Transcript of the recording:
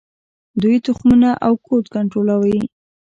دوی تخمونه او کود کنټرولوي.